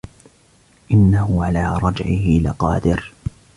إِنَّهُ عَلَىٰ رَجْعِهِ لَقَادِرٌ